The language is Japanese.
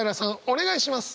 お願いします。